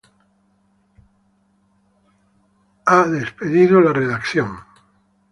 La redacción ha sido despedido.